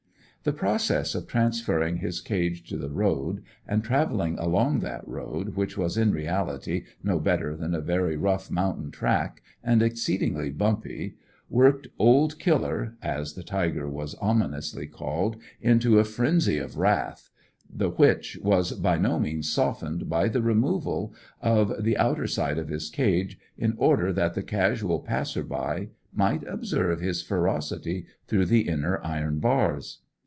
The process of transferring his cage to the road, and travelling along that road, which was in reality no better than a very rough mountain track and exceedingly bumpy, worked old Killer, as the tiger was ominously called, into a frenzy of wrath, the which was by no means softened by the removal of the outer side of his cage, in order that the casual passer by might observe his ferocity through the inner iron bars.